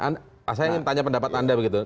saya ingin tanya pendapat anda begitu